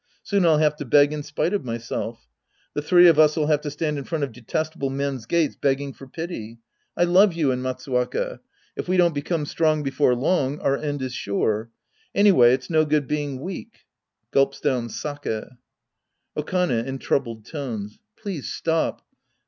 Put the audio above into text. Soon I'll have to beg in spite of my self The three of us'll have to stand in front of detestable men's gates begging for pity. I love you and Matsuwaka. If we don't become strong before long, our end is sure. Anyway it's no good being weak. {Gulps down sake.) Okane '{in troubled tones). Please stop.